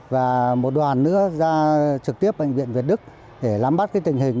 và một đoàn nữa ra trực tiếp bệnh viện việt đức để lắm bắt tình hình